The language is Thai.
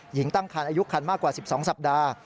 หญิงตั้งครรภ์อายุครรภ์มากกว่า๑๒สัปดาห์